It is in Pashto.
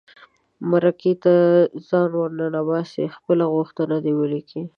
مرکې ته ځان ور ننباسي خپله غوښتنه دې ولیکي.